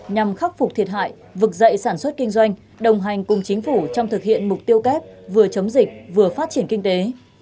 nhằm khắc phục thiệt hại vực dậy sản xuất kinh doanh đồng hành cùng chính phủ trong thực hiện mục tiêu kép vừa chống dịch vừa phát triển kinh tế